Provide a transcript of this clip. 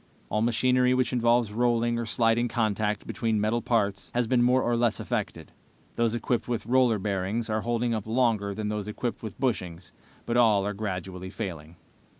"All machinery which involves rolling or sliding contact between metal parts has been more or less affected. Those equipped with roller bearings are holding up longer than those equipped with bushings, but all are gradually failing.